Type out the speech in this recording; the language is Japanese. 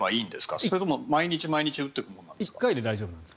それとも毎日毎日打っていくものなんですか？